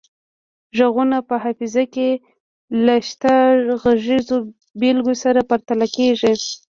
غږونه په حافظه کې له شته غږیزو بیلګو سره پرتله کیږي